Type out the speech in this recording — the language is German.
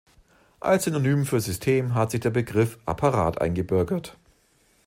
Als Synonym für „System“ hat sich der Begriff „Apparat“ eingebürgert.